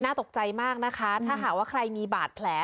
ตกใจมากนะคะถ้าหากว่าใครมีบาดแผล